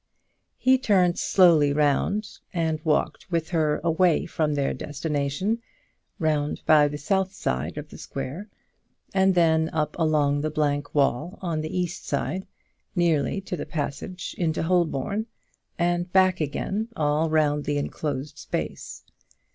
He turned slowly round and walked with her, away from their destination, round by the south side of the square, and then up along the blank wall on the east side, nearly to the passage into Holborn, and back again all round the enclosed space.